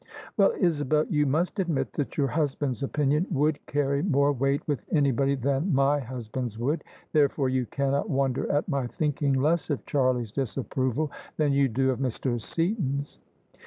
Well, Isabel, you must admit that your husband's opin ion would carry more wei^t with anybody than my hus band's would : therefore you cannot wonder at my thinking less of Charlie's disapproval than you do of Mr. Seaton's."